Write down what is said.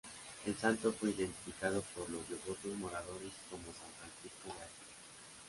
El santo fue identificado, por los devotos moradores, como San Francisco de Asís.